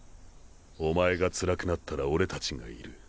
お前がつらくなったら俺たちがいる。